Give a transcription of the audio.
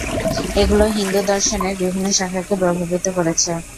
এগুলি হিন্দু দর্শনের বিভিন্ন শাখাকে প্রভাবিত করেছে।